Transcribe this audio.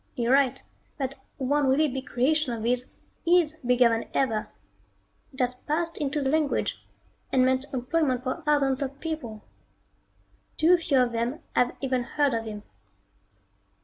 You're right, that one really big creation of his is bigger than ever. It has passed into the language, and meant employment for thousands of people. Too few of them have even heard of him.